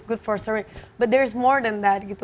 bagus untuk sering tapi ada lebih dari itu